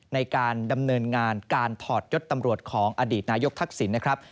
ในการดำเนินงานการถอดยศตำรวจของอดีตนายกทักษิณนะครับ